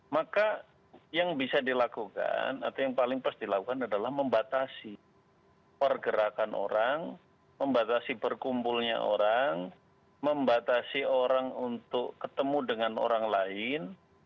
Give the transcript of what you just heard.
maka yang bisa dilakukan atau yang paling pas dilakukan adalah membatasi pergerakan orang membatasi berkumpulnya orang membatasi orang untuk ketemu dengan orang lain